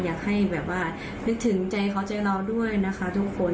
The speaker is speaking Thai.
อยากให้แบบว่านึกถึงใจเขาใจเราด้วยนะคะทุกคน